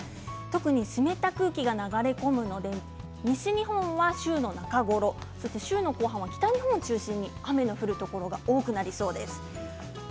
湿った空気が流れ込む西日本は週の中頃、週の後半は北日本で雨の降るところが多くなりそうです。。